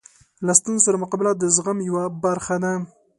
له ستونزو سره مقابله د زغم یوه برخه ده.